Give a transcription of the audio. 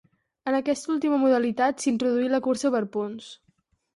En aquesta última modalitat s'introduí la cursa per punts.